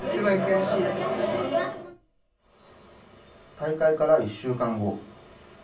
大会から１週間後。